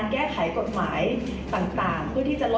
การสอบส่วนแล้วนะ